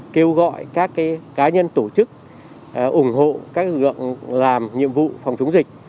kêu gọi các cá nhân tổ chức ủng hộ các lực lượng làm nhiệm vụ phòng chống dịch